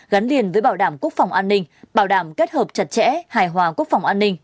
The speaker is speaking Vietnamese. gắn liền với bảo đảm quốc phòng an ninh bảo đảm kết hợp chặt chẽ hài hòa quốc phòng an ninh